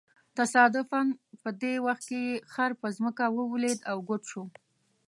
تصادفاً په دې وخت کې یې خر په ځمکه ولویېد او ګوډ شو.